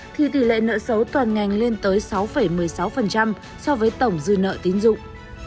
thì tỷ lệ nợ xấu toàn ngành lên tới sáu một mươi sáu so với tổng dư nợ tín dụng